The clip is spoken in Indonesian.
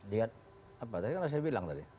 lihat apa tadi kalau saya bilang tadi